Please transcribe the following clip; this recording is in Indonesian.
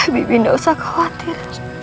bibi tidak usah khawatir